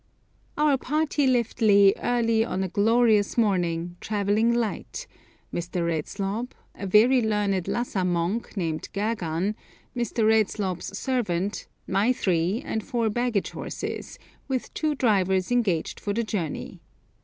Our party left Leh early on a glorious morning, travelling light, Mr. Redslob, a very learned Lhassa monk, named Gergan, Mr. R.'s servant, my three, and four baggage horses, with two drivers engaged for the journey.